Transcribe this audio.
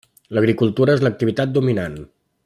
L'agricultura és l'activitat dominant.